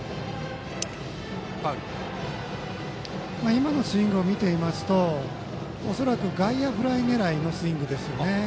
今のスイングを見ますと恐らく外野フライ狙いですよね。